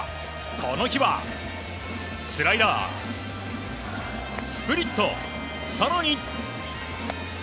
この日は、スライダー、スプリット、さらに。